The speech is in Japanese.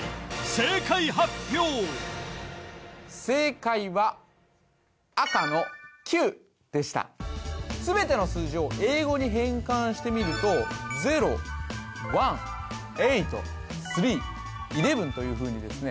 正解発表正解は赤の９でした全ての数字を英語に変換してみるとというふうにですね